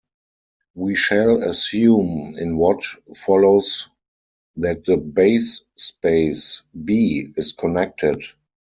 We shall assume in what follows that the base space "B" is connected.